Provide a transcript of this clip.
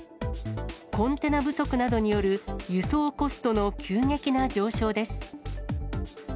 コンテナ不足などによる輸送コストの急激な上昇です。